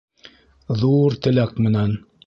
Ҙур теләк менән